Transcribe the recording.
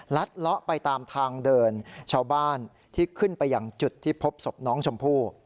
เลาะไปตามทางเดินชาวบ้านที่ขึ้นไปอย่างจุดที่พบศพน้องชมพู่